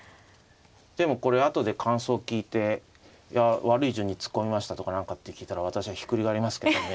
でもこれあとで感想聞いていや悪い順に突っ込みましたとか何かって聞いたら私はひっくり返りますけどね。